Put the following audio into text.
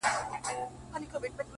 o د هغه هر وخت د ښکلا خبر په لپه کي دي،